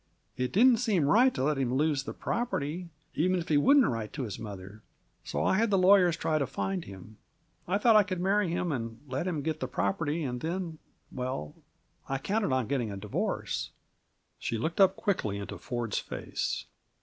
It didn't seem right to let him lose the property, even if he wouldn't write to his mother. So I had the lawyers try to find him. I thought I could marry him, and let him get the property, and then well, I counted on getting a divorce." She looked up quickly into Ford's face.